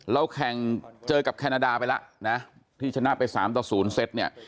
เราแข่งเจอกับแคนาดาไปแล้วนะที่ชนะไป๓ต่อ๐เซตเนี่ย